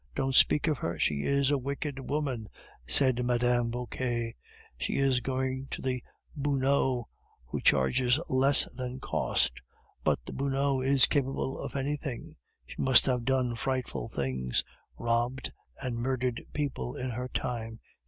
"Don't speak of her, she is a wicked woman!" said Mme. Vauquer. "She is going to the Buneaud, who charges less than cost. But the Buneaud is capable of anything; she must have done frightful things, robbed and murdered people in her time.